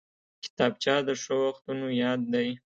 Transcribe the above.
کتابچه د ښو وختونو یاد دی